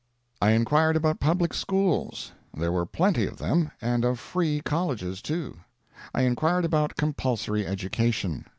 I inquired about public schools. There were plenty of them, and of free colleges too. I inquired about compulsory education.